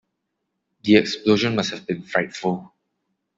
The explosion must have been frightful.